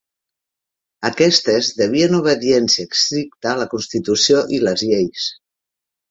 Aquestes devien obediència estricta a la Constitució i les lleis.